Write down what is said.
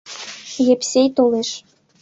Епсей толеш.